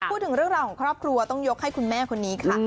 พูดถึงเรื่องราวของครอบครัวต้องยกให้คุณแม่คนนี้ค่ะ